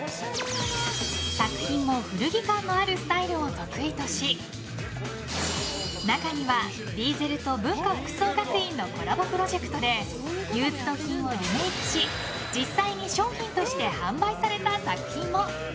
作品も古着感のあるスタイルを得意とし中にはディーゼルと文化服装学院のコラボプロジェクトでユーズド品をリメイクし実際に商品として販売された作品も。